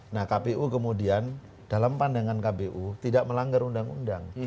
nah kpu kemudian dalam pandangan kpu tidak melanggar undang undang